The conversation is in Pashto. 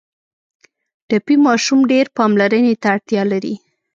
ټپي ماشوم ډېر پاملرنې ته اړتیا لري.